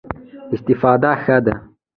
استفاده ښه ده.